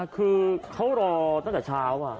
คือเขารอตั้งแต่ช้าเว้อ่ะ